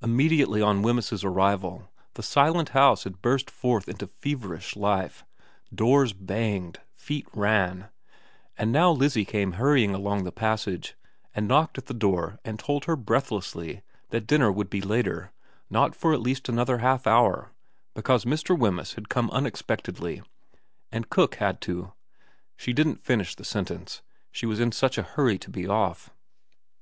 Immediately on Wemyss's arrival the silent house had burst into feverish life. Doors banged, feet ran ; z 338 VERA MX and now Lizzie came hurrying along the passage, and knocked at the door and told her breathlessly that dinner would be later not for at least another half hour, because Mr. Wemyss had come unexpectedly, and cook had to She didn't finish the sentence, she was in such a hurry to be off.